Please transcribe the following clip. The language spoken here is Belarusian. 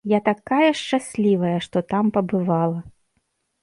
Я такая шчаслівая, што там пабывала!